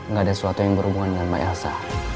gak ada suatu yang berhubungan dengan mbak elsa